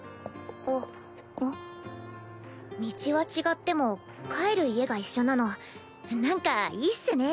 道は違っても帰る家が一緒なのなんかいいっすね。